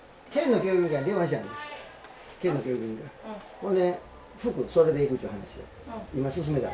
ほんで服それでいくっちゅう話や。